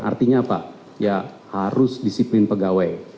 dan saya rasa ya harus disiplin pegawai